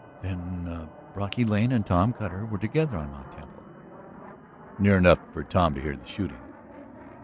"Then Brocky Lane and Tom Cutter were together on Mt. Temple?" "Near enough for Tom to hear the shooting."